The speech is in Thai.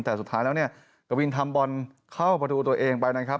แต่สุดท้ายแล้วเนี่ยกวินทำบอลเข้าประตูตัวเองไปนะครับ